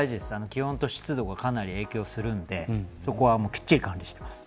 気温と湿度は影響するんでそこはきっちり管理しています。